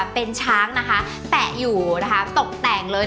เป็นช้างนะคะแตะอยู่นะคะตกแต่งเลย